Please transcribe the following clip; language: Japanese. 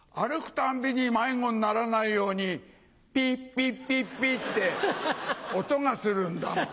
たんびに迷子にならないようにピッピッピッピッて音がするんだもん。